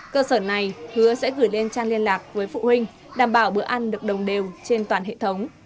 cơ sở này hứa sẽ gửi lên trang liên lạc với phụ huynh đảm bảo bữa ăn được đồng đều trên toàn hệ thống